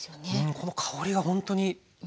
この香りがほんとにすごい。